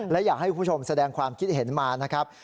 และอยากให้คุณผู้ชมแสดงความคิดเห็นมานะครับ